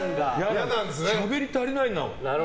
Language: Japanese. しゃべり足りないんだもん。